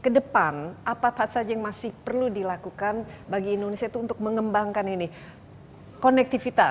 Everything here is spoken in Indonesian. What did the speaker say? kedepan apa saja yang masih perlu dilakukan bagi indonesia itu untuk mengembangkan ini konektivitas